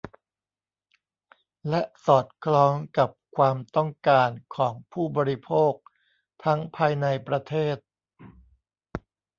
และสอดคล้องกับความต้องการของผู้บริโภคทั้งภายในประเทศ